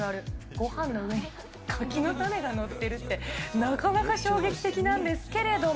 ごはんの上に柿の種が載ってるって、なかなか衝撃的なんですけれども。